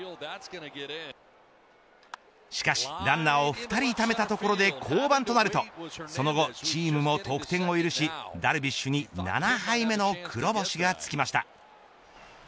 しかし、ランナーを２人ためたところで降板となるとその後、チームも得点を許しダルビッシュに７敗目の黒星がつきました。